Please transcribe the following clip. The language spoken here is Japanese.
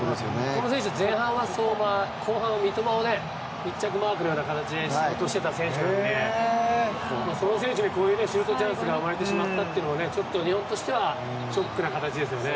この選手前半は相馬、後半は三笘を密着マークみたいに仕事をしていた選手なのでその選手にこういうシュートチャンスが生まれてしまったのはちょっと日本としてはショックな形ですね。